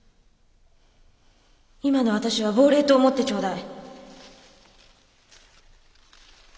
今の私は亡霊と思ってちょうだい。